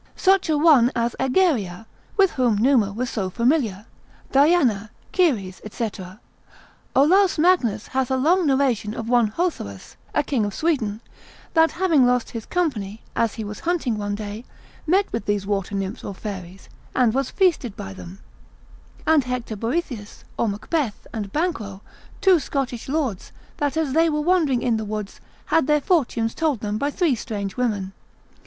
Such a one as Aegeria, with whom Numa was so familiar, Diana, Ceres, &c. Olaus Magnus hath a long narration of one Hotherus, a king of Sweden, that having lost his company, as he was hunting one day, met with these water nymphs or fairies, and was feasted by them; and Hector Boethius, or Macbeth, and Banquo, two Scottish lords, that as they were wandering in the woods, had their fortunes told them by three strange women.